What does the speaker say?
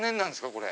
これ。